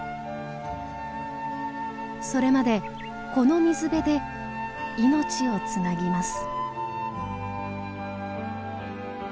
それまでこの水辺で命をつなぎます。